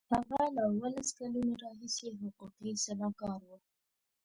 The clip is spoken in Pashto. هغه له اوولس کلونو راهیسې حقوقي سلاکار و.